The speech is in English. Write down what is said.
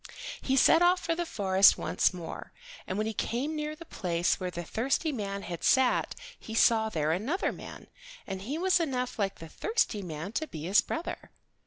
He set off for the forest once more, and when he came near the place where the thirsty man had sat he saw there another man, and he was enough like the thirsty man to be his brother.